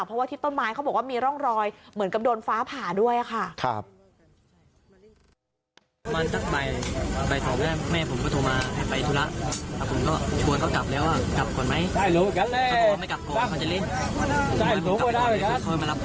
เพราะว่าที่ต้นไม้เขาบอกว่ามีร่องรอยเหมือนกับโดนฟ้าผ่าด้วยค่ะ